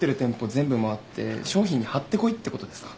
全部回って商品にはってこいってことですか？